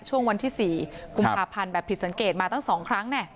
ช่วงวันที่๔กุมภาพันธ์แบบผิดสังเกตมาตั้ง๒ครั้ง